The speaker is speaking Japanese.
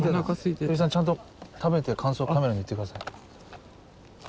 蛭子さんちゃんと食べて感想カメラに言って下さい。